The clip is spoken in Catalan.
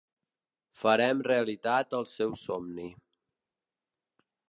Farem realitat el seu somni.